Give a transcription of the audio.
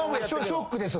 ショックです。